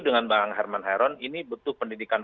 dengan bang herman heron ini butuh pendidikan